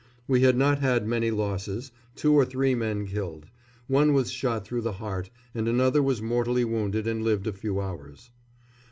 We had not had many losses two or three men killed. One was shot through the heart, and another was mortally wounded and lived a few hours.